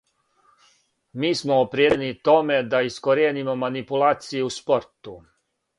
Ми смо опредијељени томе да искоријенимо манипулације у спорту.